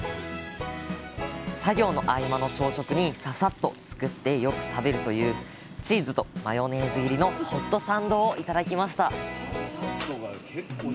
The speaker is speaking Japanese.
作業の合間の朝食にササッと作ってよく食べるというチーズとマヨネーズ入りのホットサンドを頂きました